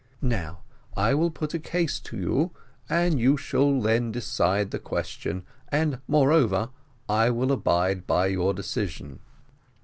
Now, I will put a case to you, and you shall then decide the question and, moreover, I will abide by your decision.